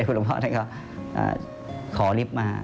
พระเด็กพระท่านค่ะขอลิฟท์มา